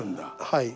はい。